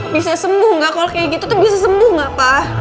bisa sembuh gak kalau kayak gitu tuh bisa sembuh gak pa